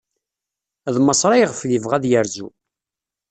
D Maṣer ayɣef yebɣa ad yerzu.